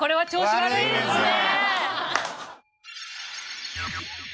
悪いですね。